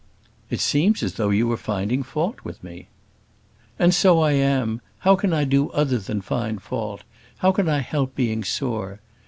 "It seems as though you were finding fault with me." "And so I am; how can I do other than find fault? How can I help being sore?